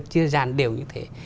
chia gian đều như thế